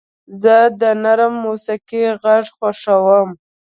زه د نرم موسیقۍ غږ خوښوم.